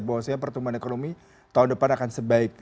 bahwasanya pertumbuhan ekonomi tahun depan akan sebaik